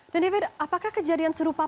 dan david apakah kejadian serupa